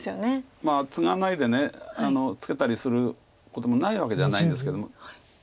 まあツガないでツケたりすることもないわけじゃないんですけども。